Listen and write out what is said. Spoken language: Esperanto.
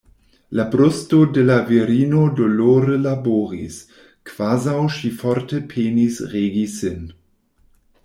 La brusto de la virino dolore laboris, kvazaŭ ŝi forte penis regi sin.